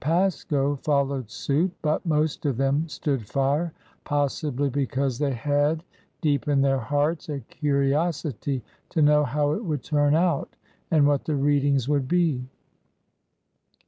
Pasco followed suit. But most of them stood fire— possibly because they had, deep SELECT READINGS 133 in their hearts, a curiosity to know how it would turn out and what the '' readings '' would be.